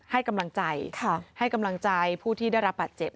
ให้กำลังใจผู้ที่ได้รับปัจเจ็บ